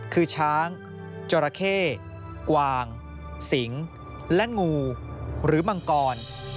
คือช้างจราเข้กวางสิงและงูหรือมังกร